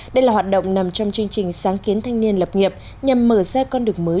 đây là hoạt động nằm trong chương trình sáng kiến thanh niên lập nghiệp nhằm mở ra con đường mới